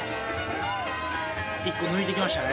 １個抜いてきましたね。